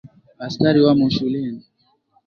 Askari wamo shuleni.